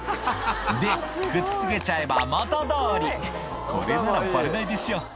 「でくっつけちゃえば元通りこれならバレないでしょ」